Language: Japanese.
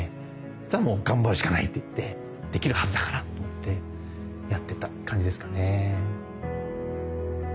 したらもう頑張るしかないっていってできるはずだからと思ってやってた感じですかね。